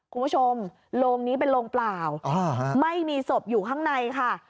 คุณผู้ชมโรงนี้เป็นโรงเปล่าไม่มีศพอยู่ข้างในค่ะ